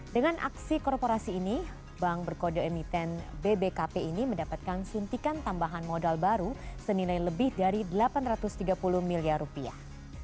dengan aksi korporasi ini bank berkode emiten bbkp ini mendapatkan suntikan tambahan modal baru senilai lebih dari delapan ratus tiga puluh miliar rupiah